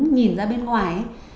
nhìn ra bên ngoài